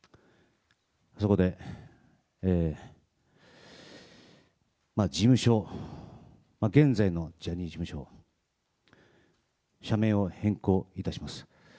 そこで、事務所、現在のジャニーズ事務所、社名を変更いたします。